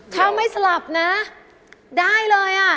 ถ้าไม่สลับนะได้เลย